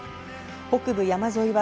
北部山沿いは